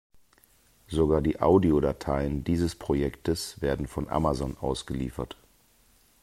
Sogar die Audiodateien dieses Projektes werden von Amazon ausgeliefert.